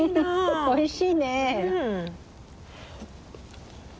おいしい。